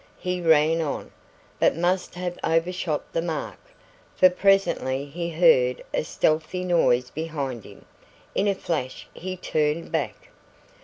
He ran on, but must have overshot the mark, for presently he heard a stealthy noise behind him. In a flash he turned back.